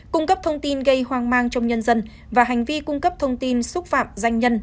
cung cấp thông tin gây hoang mang trong nhân dân và hành vi cung cấp thông tin xúc phạm danh nhân